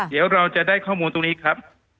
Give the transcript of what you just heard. เดี๋ยวเราจะได้ข้อมูลตรงนี้ครับ